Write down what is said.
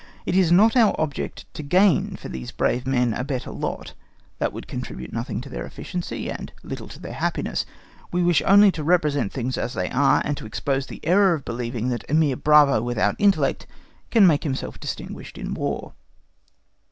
It is not our object to gain for these brave men a better lot—that would contribute nothing to their efficiency, and little to their happiness; we only wish to represent things as they are, and to expose the error of believing that a mere bravo without intellect can make himself distinguished in War.